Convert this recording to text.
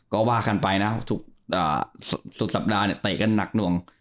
ก็ว่ากันไปนะทุกสุดสัปดาห์เนี่ยเตะกันหนักหน่วง